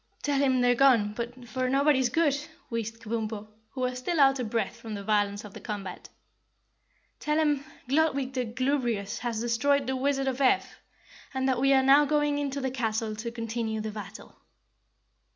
"Tell him they've gone, but for nobody's good," wheezed Kabumpo, who was still out of breath from the violence of the combat. "Tell him Gludwig the Glubrious has destroyed the Wizard of Ev and that we are now going into the castle to continue the battle."